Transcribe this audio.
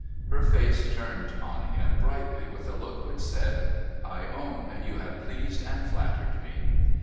Her face turned on him brightly, with a look which said, ' I own you have pleased and flattered me.'